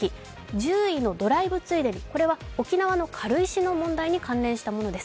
１０位のドライブついでに、これは沖縄の軽石の問題に関連したものです。